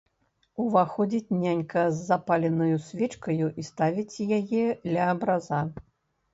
Уваходзіць нянька з запаленаю свечкаю і ставіць яе ля абраза.